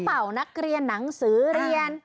เป่านักเรียนหนังสือเรียน